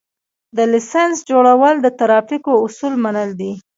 د لېسنس جوړول د ترافیکو اصول منل دي